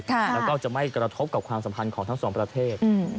แล้วก็จะไม่กระทบกับความสัมพันธ์ของทั้งสองประเทศ